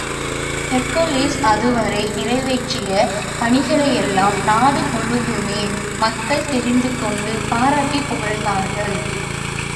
Hercules அதுவரை நிறைவேற்றிய பணிகளையெல்லாம் நாடு முழுதுமே மக்கள் தெரிந்துகொண்டு பாராட்டிப் புகழ்ந்தார்கள்.